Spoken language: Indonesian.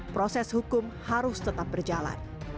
proses hukum harus tetap berjalan